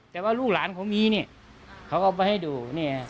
แต่ว่าลูกหลานเขามีเนี่ยเขาก็เอาไปให้ดูเนี่ย